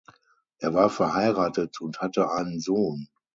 Er war verheiratet und hatte einen Sohn.